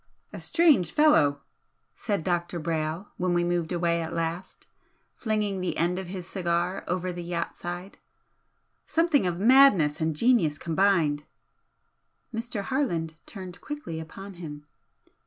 "A strange fellow!" said Dr. Brayle when we moved away at last, flinging the end of his cigar over the yacht side "Something of madness and genius combined." Mr. Harland turned quickly upon him.